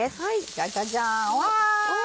じゃじゃじゃんうわ。